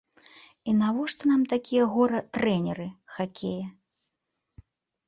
І навошта нам такія гора-трэнеры хакея?